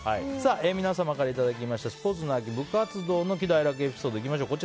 皆様からいただきましたスポーツの秋部活動の喜怒哀楽エピソードです。